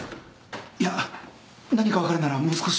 いや何か分かるならもう少しいます。